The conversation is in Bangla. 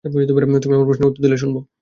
তুমি আমার প্রশ্নের উত্তর দিলে শুনব।